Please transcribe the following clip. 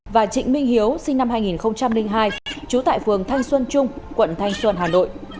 và trịnh minh hiếu sinh năm hai nghìn hai trú tại phường thanh xuân trung quận thanh xuân hà nội